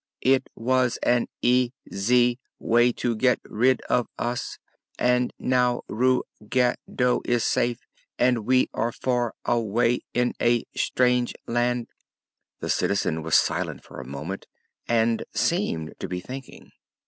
It was an eas y way to get rid of us and now Rug gedo is safe and we are far a way in a strange land." The Citizen was silent a moment and seemed to be thinking.